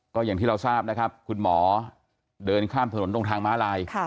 ก็อย่างที่เราทราบนะครับคุณหมอเดินข้ามถนนตรงทางม้าลาย